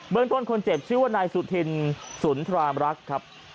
เมืองต้นคนเจ็บชื่อว่านายสุธินสุนทรามรักครับ